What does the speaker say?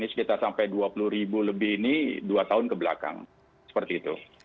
ini sekitar sampai dua puluh ribu lebih ini dua tahun kebelakangan